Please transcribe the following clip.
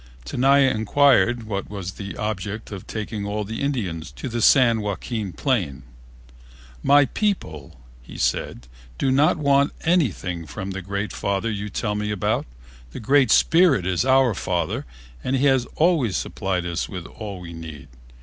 Tenaya inquired what was the object of taking all the Indians to the San Joaquin plain. "My people," said he, "do not want anything from the Great Father you tell me about. The Great Spirit is our father and he has always supplied us with all we need.